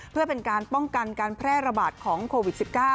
เพื่อเป็นการป้องกันการแพร่ระบาดของโควิด๑๙